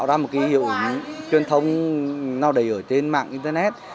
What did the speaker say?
và một cái hiệu ứng truyền thông nào đầy ở trên mạng internet